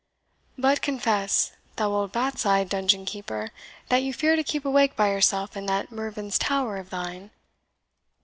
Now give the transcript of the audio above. But confess, thou old bat's eyed dungeon keeper, that you fear to keep awake by yourself in that Mervyn's Tower of thine?"